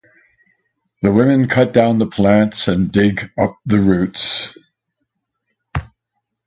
The women cut down the plants and dig up the roots.